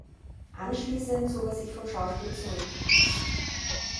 Anschließend zog er sich vom Schauspiel zurück.